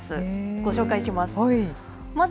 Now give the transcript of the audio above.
ご紹介します。